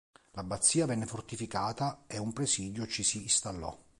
L'abbazia venne fortificata e un presidio ci si installò.